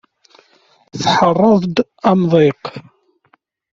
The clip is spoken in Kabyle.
Tḥerreḍ-d amḍiq.